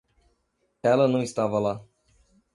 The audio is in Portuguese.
Ela não estava lá.